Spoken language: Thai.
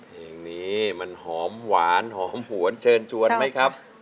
เพลงนี้มันหอมหวานหอมหวนเชิญชวนไหมครับ